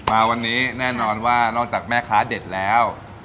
มาวันนี้แน่นอนว่านอกจากแม่ค้าเด็ดแล้ว